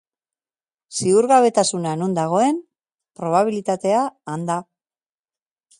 Ziurgabetasuna non dagoen, probabilitatea han da.